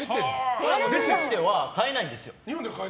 日本では買えないんですよ。